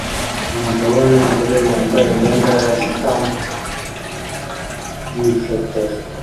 Umugabo numugore bambaye imyenda ya stampunk bifotora